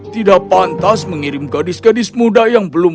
tidak pantas mengirim gadis gadis muda yang belum